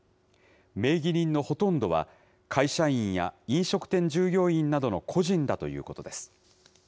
名義人のほとんどは、会社員や飲食店従業員などの個人だということです。